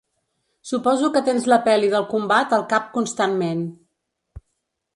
Suposo que tens la peli del combat al cap constantment.